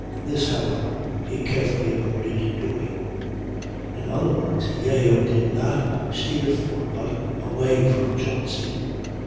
This, however, he carefully avoided doing." In other words Yeo did not steer for but away from Chauncy.